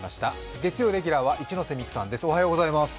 月曜レギュラーは一ノ瀬美空さんです。